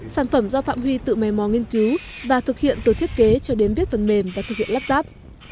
sản phẩm do phạm huy tự mè mò nghiên cứu và thực hiện từ thiết kế cho đến viết phần mềm để thực hiện lắp ráp